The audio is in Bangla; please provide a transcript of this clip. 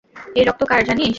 এই রক্ত কার জানিস?